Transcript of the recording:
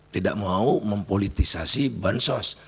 tidak mau mempolitisasi bansos